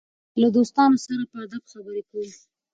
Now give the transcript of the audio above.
زه له دوستانو سره په ادب خبري کوم.